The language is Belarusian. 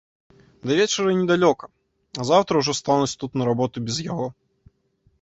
Да вечара недалёка, а заўтра ўжо стануць тут на работу без яго.